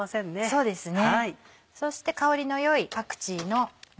そうですね。